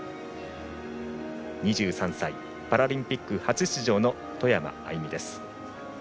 ２３歳、パラリンピック初出場の外山愛美です。